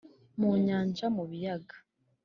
mu nyanja, mu biyaga,